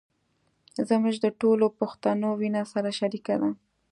زموږ د ټولو پښتنو وينه سره شریکه ده.